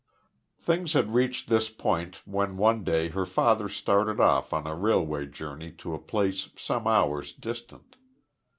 Things had reached this point when one day her father started off on a railway journey to a place some hours distant.